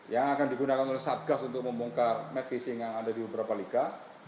yang akan digunakan oleh satgas untuk membongkar match fishing yang ada di beberapa liga